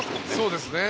そうですね。